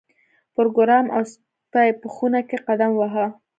پروګرامر او سپی په خونه کې قدم واهه